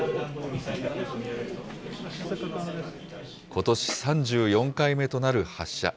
ことし、３４回目となる発射。